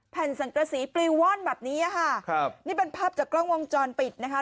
แผ่นสังกษีปลิวว่อนแบบนี้ค่ะครับนี่เป็นภาพจากกล้องวงจรปิดนะคะ